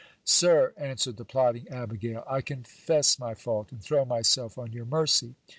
Sir, answered the plotting abigail, I confess my fault, and throw myself on your mercy.